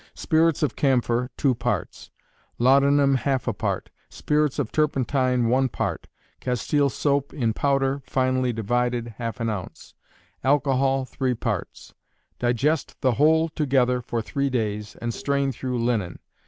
Spirits of camphor, two parts; laudanum, half a part; spirits of turpentine, one part; castile soap in powder, finely divided, half an ounce; alcohol, 3 parts. Digest the whole together for three days, and strain through linen.